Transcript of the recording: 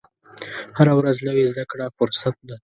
هره ورځ نوې زده کړه فرصت ده.